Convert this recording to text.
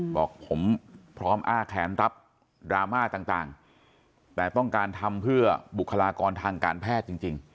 บอกผมพร้อมอ้าแขนรับดราม่าต่างแต่ต้องการทำเพื่อบุคลากรทางการแพทย์จริง